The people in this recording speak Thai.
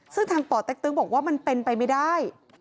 ซึ่งทางป่อเต็กตึงบอกว่ามันเป็นไปไม่ได้